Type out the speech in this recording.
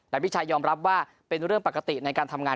แต่พี่ชายยอมรับว่าเป็นเรื่องปกติในการทำงาน